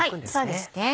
そうですね。